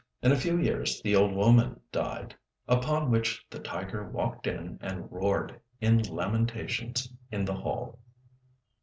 In a few years the old woman died, upon which the tiger walked in and roared its lamentations in the hall.